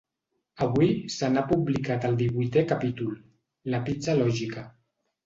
Avui se n’ha publicat el divuitè capítol, La pizza lògica.